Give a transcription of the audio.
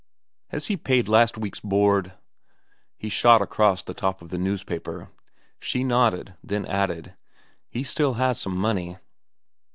"Has he paid last week's board?" he shot across the top of the newspaper. She nodded, then added, "He still has some money."